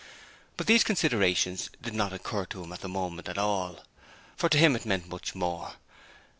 But these considerations did not occur to him at the moment at all, for to him it meant much more.